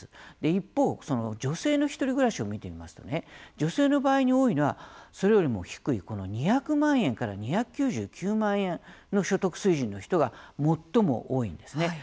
一方、女性の１人暮らしを見てみますと女性の場合に多いのはそれよりも低い２００万円から２９９万円の所得水準の人が最も多いんですね。